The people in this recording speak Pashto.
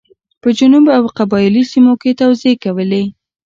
په جنوب او قبایلي سیمو کې توزېع کولې.